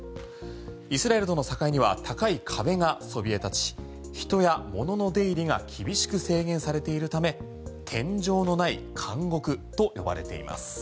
イスラエルとの境には高い壁がそびえ立ち人や物の出入りが厳しく制限されているため天井のない監獄と呼ばれています。